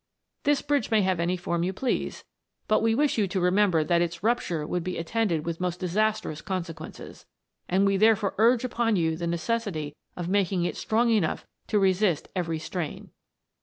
This bridge may have any form you please; but we wish you to remember that its rupture would be attended with most disastrous consequences, and we therefore urge upon you the necessity of making it strong enough to resist every strain."